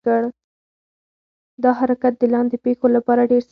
دا حرکت د لاندې پښو لپاره ډېر سخت دی.